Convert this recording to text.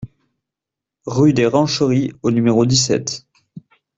Rue des Rancheries au numéro dix-sept